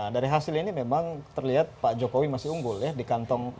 dari hasil ini memang terlihat pak jokowi masih unggul ya di kantong